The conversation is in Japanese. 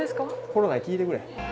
コロナに聞いてくれ。